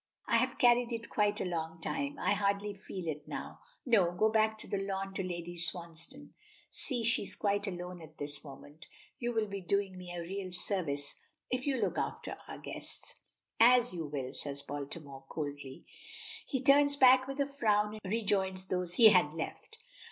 "I have carried it quite a long time. I hardly feel it now. No; go back to the lawn to Lady Swansdown see; she is quite alone at this moment. You will be doing me a real service if you will look after our guests." "As you will," says Baltimore, coldly. He turns back with a frown, and rejoins those he had left.